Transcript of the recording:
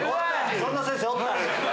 そんな先生おった！